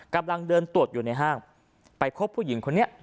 กำลังเดินตรวจอยู่ในห้างไปพบผู้หญิงคนนี้